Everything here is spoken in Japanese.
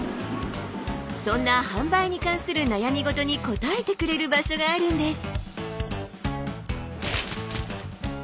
そんな販売に関する悩み事に答えてくれる場所があるんです。